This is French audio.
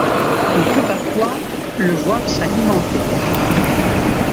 On peut parfois le voir s'alimenter.